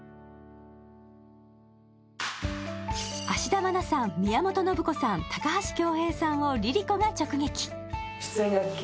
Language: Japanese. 芦田愛菜さん、宮本信子さん、高橋恭平さんをＬｉＬｉＣｏが直撃。